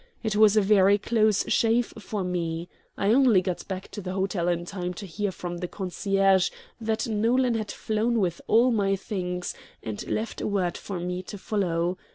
It was a very close shave for me. I only got back to the hotel in time to hear from the concierge that Nolan had flown with all of my things, and left word for me to follow.